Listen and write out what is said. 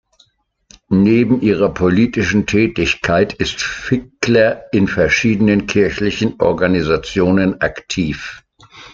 Neben ihrer politischen Tätigkeit ist Fickler in verschiedenen kirchlichen Organisationen aktiv.